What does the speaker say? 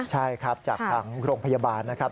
ใช่ครับจากทางโรงพยาบาลนะครับ